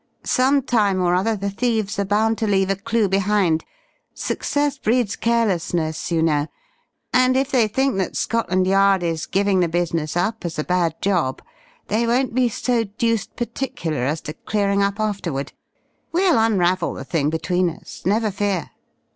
Some time or other the thieves are bound to leave a clue behind. Success breeds carelessness, you know, and if they think that Scotland Yard is giving the business up as a bad job, they won't be so deuced particular as to clearing up afterward. We'll unravel the thing between us, never fear."